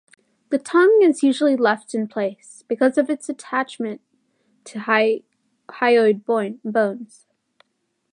The tongue is usually left in place, because of its attachment to hyoid bones.